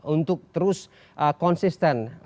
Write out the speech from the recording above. untuk terus konsisten